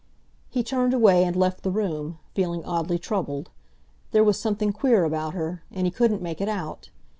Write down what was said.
He turned away and left the room, feeling oddly troubled. There was something queer about her, and he couldn't make it out.